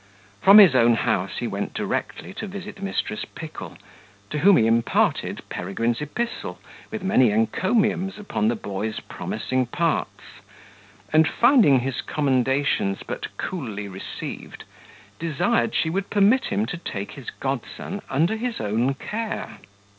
From his own house he went directly to visit Mrs. Pickle, to whom he imparted Peregrine's epistle, with many encomiums upon the boy's promising parts: and, finding his commendations but coolly received, desired she would permit him to take his godson under his own care.